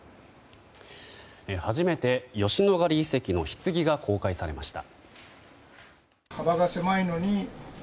初めて吉野ヶ里遺跡の棺が公開されました。